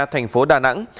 thành phố đà nẵng